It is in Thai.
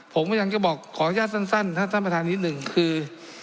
ผมกำลังจะบอกขออนุญาตสั้นถ้าท่านประธานนิดหนึ่งคือ